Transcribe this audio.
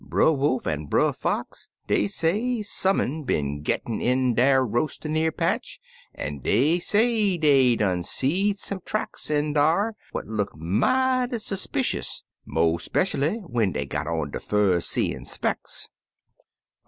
Brer Wolf an' Brer Fox, dey say some un been gittin' in der roas'n y'ear patch, an' dey say dey done seed some tracks in dar what look mighty s'picious, mo' speshually when dey got on der fur seein' specks.'